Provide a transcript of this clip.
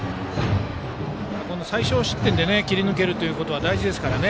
最少失点で切り抜けることは大事ですから。